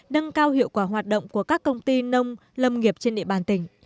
nâng cao hiệu quả hoạt động của các công ty nông lâm nghiệp trên địa bàn tỉnh